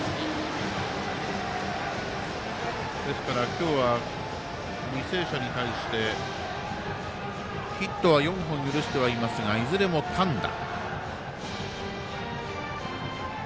今日は、履正社に対してヒットは４本許してはいますがいずれも単打。